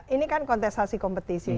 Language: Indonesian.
ini kan kontestasi kompetisi